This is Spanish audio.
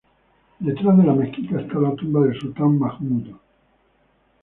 Detrás de la mezquita está la tumba del sultán Mahmud.